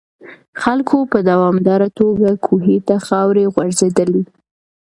خلکو په دوامداره توګه کوهي ته خاورې غورځولې.